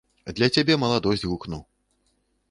Для цябе маладосць гукну.